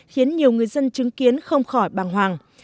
khiến nhiều người dân chứng kiến không khỏi bàng hoàng